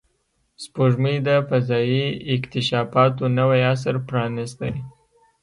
سپوږمۍ د فضایي اکتشافاتو نوی عصر پرانستی